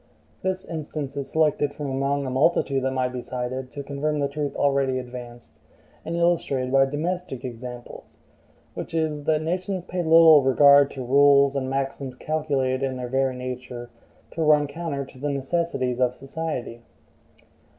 This instance is selected from among a multitude that might be cited to confirm the truth already advanced and illustrated by domestic examples; which is, that nations pay little regard to rules and maxims calculated in their very nature to run counter to the necessities of society.